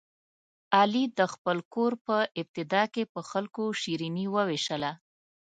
علي د خپل کور په ابتدا کې په خلکو شیریني ووېشله.